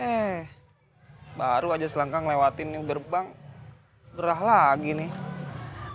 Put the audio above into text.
eh baru aja selangkang lewatin uberbank berah lagi nih